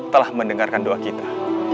telah mendengarkan doa kita